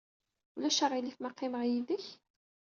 Ulac aɣilif ma qqimeɣ yid-k?